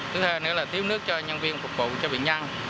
thứ hai nữa là thiếu nước cho nhân viên phục vụ cho bệnh nhân